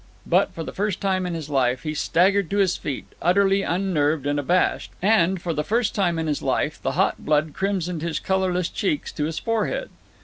But, for the first time in his life, he staggered to his feet, utterly unnerved and abashed, and for the first time in his life the hot blood crimsoned his colorless cheeks to his forehead.